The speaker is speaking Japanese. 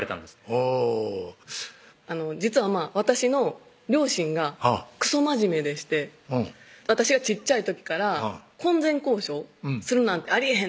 ほう実は私の両親がくそ真面目でして私が小っちゃい時から「婚前交渉するなんてありえへん」